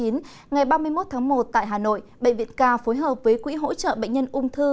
ngày ba mươi một tháng một tại hà nội bệnh viện ca phối hợp với quỹ hỗ trợ bệnh nhân ung thư